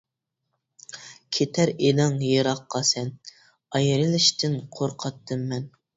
كېتەر ئىدىڭ يىراققا سەن، ئايرىلىشتىن قورقاتتىم مەن.